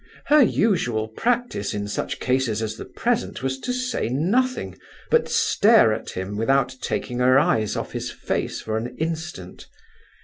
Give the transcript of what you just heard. Her usual practice in such cases as the present was to say nothing, but stare at him, without taking her eyes off his face for an instant.